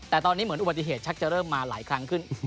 แต่ตอนนี้เหมือนอุบัติเหตุชักจะเริ่มมาหลายครั้งขึ้น